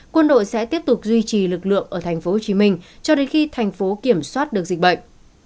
quân đội sẽ tiếp tục duy trì lực lượng ở tp hcm cho đến khi thành phố kiểm soát được dịch bệnh